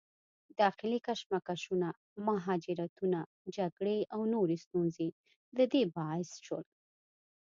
داخلي کشمکشونه، مهاجرتونه، جګړې او نورې ستونزې د دې باعث شول